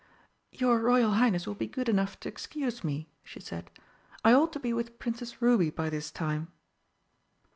"Your Royal Highness will be good enough to excuse me," she said; "I ought to be with Princess Ruby by this time."